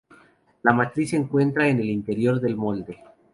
La matriz se encuentra en el interior del molde.